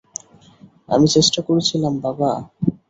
আমি চেষ্টা করেছিলাম -বাবা।